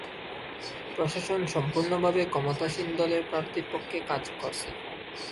প্রশাসন সম্পূর্ণভাবে ক্ষমতাসীন দলের প্রার্থীর পক্ষে কাজ করছে।